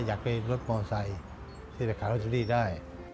อยากให้รถมอเซย์ไม่อยากให้ขายรถซีรีส์ได้